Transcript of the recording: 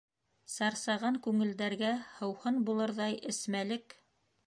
Сарсаған күңелдәргә һыуһын булырҙай эсмәлек...